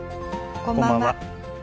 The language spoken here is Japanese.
こんばんは。